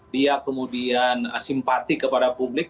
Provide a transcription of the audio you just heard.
dia kemudian simpati kepada publik